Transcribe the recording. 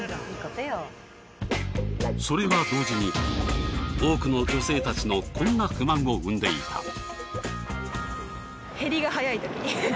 それは同時に多くの女性たちのこんな不満を生んでいた。